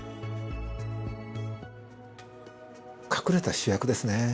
隠れた主役ですね。